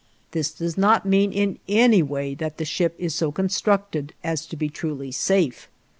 This does not mean in any way that the ship is so constructed as to be truly safe.